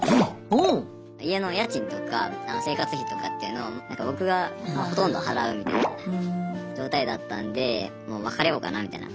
家の家賃とか生活費とかっていうのを僕がほとんど払うみたいな状態だったんでもう別れようかなみたいな。